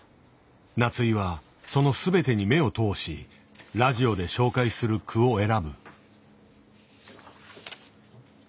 夏井はその全てに目を通しラジオで紹介する句を選ぶ。